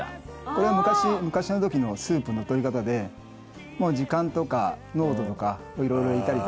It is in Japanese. これは昔の時のスープのとり方でもう時間とか濃度とか色々入れたりとかして。